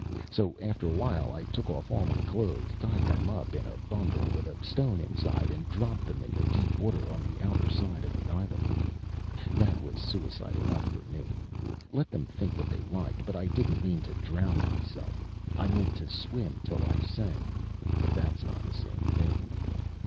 So after a while I took off all my clothes, tied them up in a bundle with a stone inside, and dropped them in the deep water on the outer side of that islet. That was suicide enough for me. Let them think what they liked, but I didn't mean to drown myself. I meant to swim till I sank but that's not the same thing.